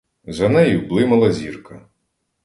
За нею блимала зірка.